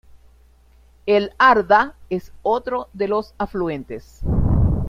El Arda es otro de los afluentes.